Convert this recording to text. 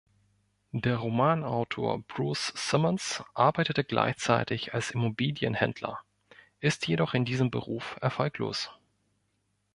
Der Romanautor Bruce Simmons arbeitet gleichzeitig als Immobilienhändler, ist jedoch in diesem Beruf erfolglos.